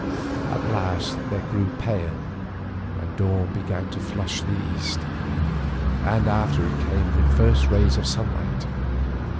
At last these grew pale, and dawn began to flush the east, and after it came the first rays of sunlight.